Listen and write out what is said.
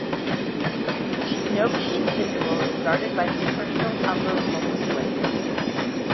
Each neogi individual is guarded by his personal umber hulk slave.